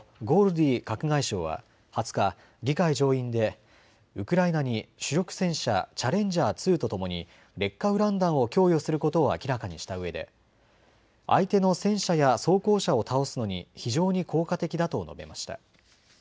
ディー閣外相は２０日、議会上院でウクライナに主力戦車チャレンジャー２とともに劣化ウラン弾を供与することを明らかにしたうえで、相手の戦車や装甲車を倒すのに非常に効果的だと述べました。